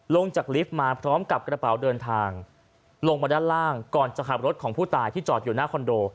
ลงจากลิฟต์มาพร้อมกับกระเป๋าเดินทางลงมาด้านล่างก่อนจะขับรถของผู้ตายที่จอดอยู่หน้าคอนโด